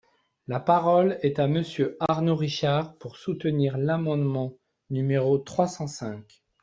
La parole est à Monsieur Arnaud Richard, pour soutenir l’amendement numéro trois cent cinq.